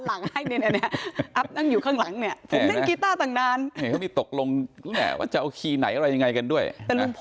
ลุงพลจบ